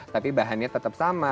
tapi bahannya tetap sama